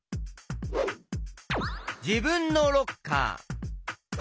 じぶんのロッカー。